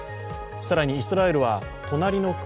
更にイスラエルは隣の国